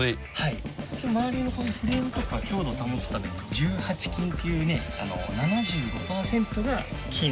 周りのフレームとか強度を保つために１８金っていうね７５パーセントが金。